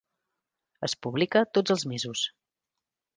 Es publica tots els mesos.